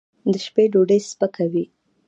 د شپې ډوډۍ سپکه وي.